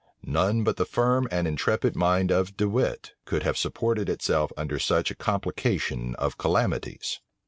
None but the firm and intrepid mind of De Wit could have supported itself under such a complication of calamities.